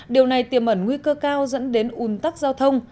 điều này tiềm ẩn nguy cơ cao dẫn đến ủn tắc giao thông